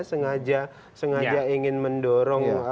sengaja ingin mendorong